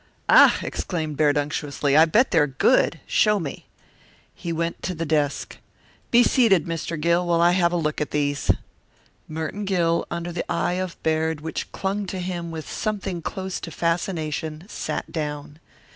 "Ah!" exclaimed Baird unctuously, "I bet they're good. Show me." He went to the desk. "Be seated, Mr. Gill, while I have a look at these." Merton Gill, under the eye of Baird which clung to him with something close to fascination, sat down.